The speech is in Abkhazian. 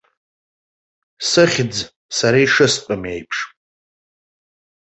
Сыхьӡ сара ишыстәым еиԥш.